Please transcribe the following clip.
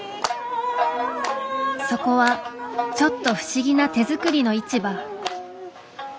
そこはちょっと不思議な手作りの市場。